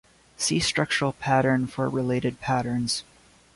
See Structural pattern for related patterns.